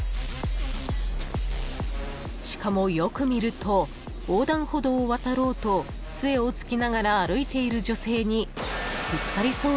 ［しかもよく見ると横断歩道を渡ろうとつえを突きながら歩いている女性に］